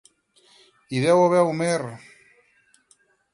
Hi deu haver Homer…